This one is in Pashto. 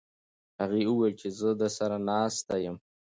هغې وویل چې زه درسره ناسته یم.